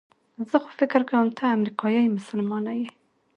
زه خو فکر کوم ته امریکایي مسلمانه یې.